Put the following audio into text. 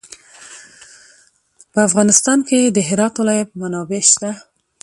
په افغانستان کې د هرات ولایت منابع شته.